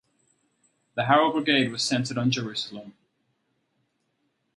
The Harel Brigade was centered on Jerusalem.